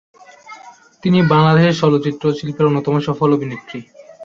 তিনি বাংলাদেশের চলচ্চিত্র শিল্পের অন্যতম সফল অভিনেত্রী।